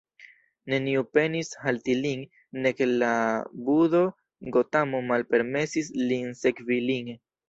Neniu penis halti lin, nek la budho Gotamo malpermesis lin sekvi lin.